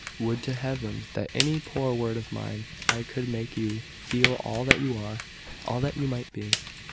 Would to Heaven, that by any poor word of mine I could make you feel all that you are all that you might be!"